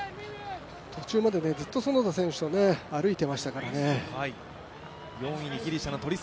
途中までずっと園田選手と歩いてましたからね。